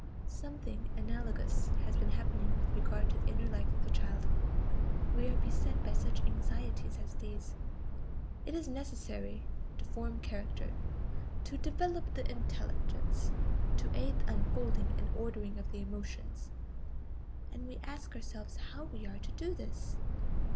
Something analogous has been happening with regard to the inner life of the child. We are beset by such anxieties as these: it is necessary to form character, to develop the intelligence, to aid the unfolding and ordering of the emotions. And we ask ourselves how we are to do this.